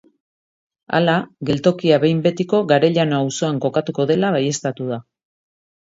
Hala, geltokia behin-betiko Garellano auzoan kokatuko dela baieztatu da.